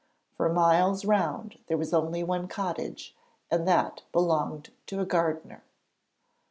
For miles round there was only one cottage and that belonged to a gardener.